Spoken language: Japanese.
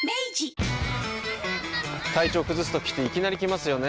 体調崩すときっていきなり来ますよね。